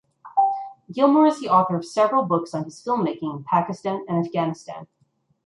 Gilmour is the author of several books on his filmmaking in Pakistan and Afghanistan.